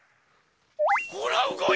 ほらうごいた！